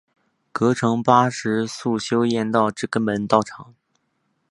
葛城二十八宿修验道之根本道场。